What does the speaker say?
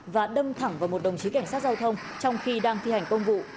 và đâm thẳng vào một đồng chí cảnh sát giao thông trong khi đang thi hành công vụ